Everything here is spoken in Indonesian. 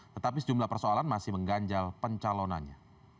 tetapi sejumlah persoalan masih mengganjal pencalonannya